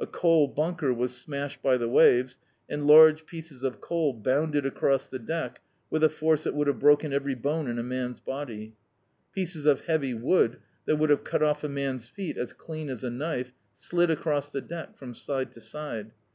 A coal bunker was smashed by the waves, and large pieces of coal bounded across the deck with a force that would have broken every bone in a man's body. Pieces of heavy wood, that would have cut off a man's feet as clean as a knife, slid across the deck from side to side.